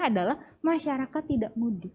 adalah masyarakat tidak mudik